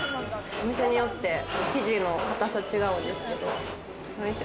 お店によって生地の硬さ、違うんですけど。